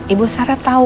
ibu sarah tahu